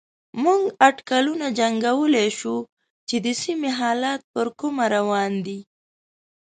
موږ اټکلونه جنګولای شو چې د سيمې حالات پر کومه روان دي.